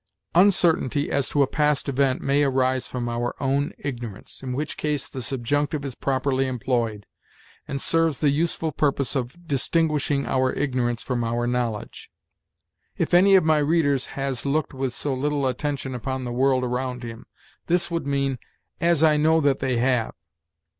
"Uncertainty as to a past event may arise from our own ignorance, in which case the subjunctive is properly employed, and serves the useful purpose of distinguishing our ignorance from our knowledge. 'If any of my readers has looked with so little attention upon the world around him'; this would mean 'as I know that they have.'